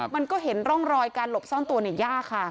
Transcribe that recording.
มันก็เห็นร่องรอยการหลบซ่อนตัวยากค่ะ